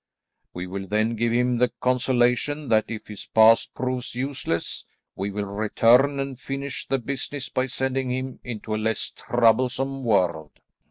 We will then give him the consolation that if his pass proves useless we will return and finish the business by sending him into a less troublesome world."